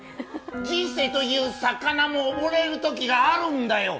人生という魚も溺れるときがあるんだよ。